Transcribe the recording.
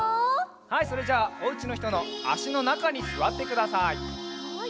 はいそれじゃあおうちのひとのあしのなかにすわってください。